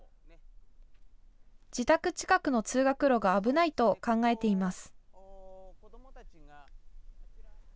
自宅近くの通学路が危ないと考えています。